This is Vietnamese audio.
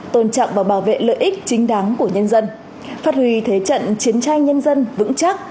tôn trọng và bảo vệ lợi ích chính đáng của nhân dân phát huy thế trận chiến tranh nhân dân vững chắc